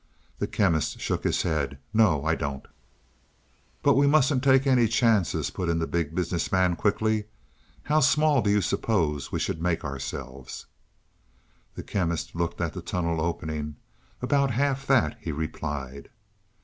The Chemist shook his head. "No, I don't." "But we mustn't take any chances," put in the Big Business Man quickly. "How small do you suppose we should make ourselves?" The Chemist looked at the tunnel opening. "About half that," he replied.